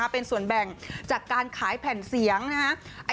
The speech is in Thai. เป็นส่วนแบ่งจากการขายแผ่นเสียงนะครับ